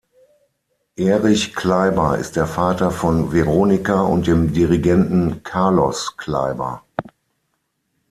Erich Kleiber ist der Vater von Veronika und dem Dirigenten Carlos Kleiber.